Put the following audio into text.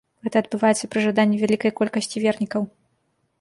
Гэта адбываецца пры жаданні вялікай колькасці вернікаў.